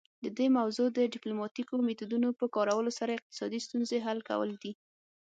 د دې موضوع د ډیپلوماتیکو میتودونو په کارولو سره اقتصادي ستونزې حل کول دي